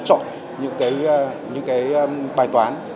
chọn những cái bài toán